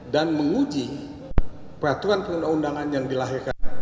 dan menguji peraturan perundang undangan yang dilahirkan